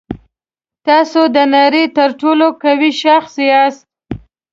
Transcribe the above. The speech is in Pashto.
تاسو د نړۍ تر ټولو قوي شخص یاست.